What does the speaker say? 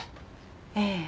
ええ。